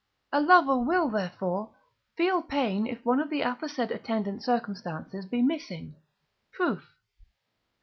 A lover will, therefore, feel pain if one of the aforesaid attendant circumstances be missing. Proof.